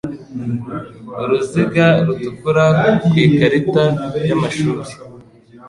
Uruziga rutukura ku ikarita y’amashuri.